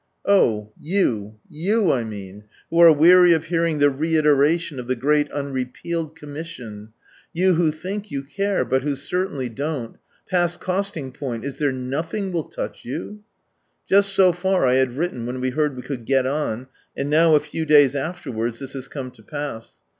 Oh ! you— you, I mean, who are weary of hearing the reiteration of the great unrepealed commission, you who think you care, but who certainly don't, past costing point, is there nothing will touch you ? Just so far I had written when we heard we could get on, and now a few days afterwards this has come to pass.